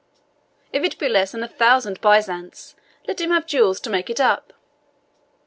If it be less than a thousand byzants, let him have jewels to make it up."